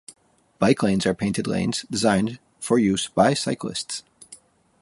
Bike lanes are painted lanes designated for use by cyclists.